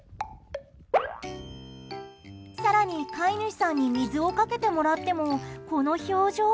更に飼い主さんに水をかけてもらってもこの表情。